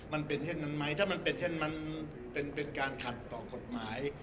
มันเป็นเช่นนั้นไหมถ้ามันเป็นเช่นมันเป็นการขัดต่อกฎหมาย